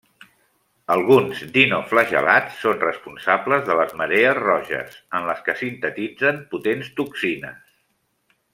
Alguns dinoflagel·lats són responsables de les marees roges, en les que sintetitzen potents toxines.